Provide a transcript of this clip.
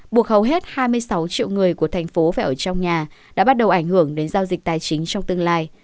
buộc hầu hết hai mươi sáu triệu người của thành phố phải ở trong nhà đã bắt đầu ảnh hưởng đến giao dịch tài chính trong tương lai